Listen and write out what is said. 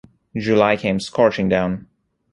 July came scorching down.